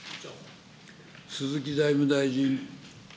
鈴木財務大臣。